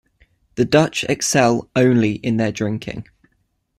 The Dutch excel only in their drinking.